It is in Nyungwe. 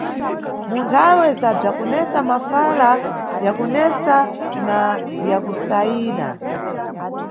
Mu nthawe za bzakunesa, mafala yakunesa na yakusayina.